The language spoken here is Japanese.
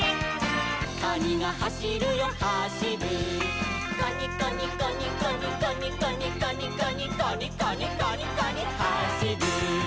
「カニがはしるよはしる」「カニカニカニカニカニカニカニカニ」「カニカニカニカニはしる」